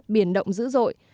biển động dữ dội